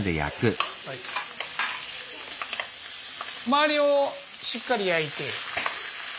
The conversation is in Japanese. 周りをしっかり焼いて。